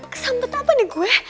kesan betapa nih gue